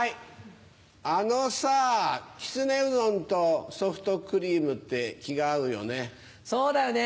あのさきつねうどんとソフトクリームって気が合うよね。